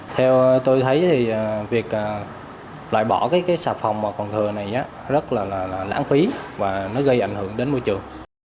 theo tôi thấy thì việc loại bỏ cái xà phòng mà còn thừa này rất là lãng phí và nó gây ảnh hưởng đến môi trường